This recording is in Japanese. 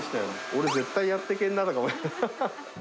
俺、絶対やっていけるなとか。